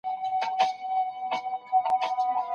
ورزش مو د بدن پیاوړتیا ده.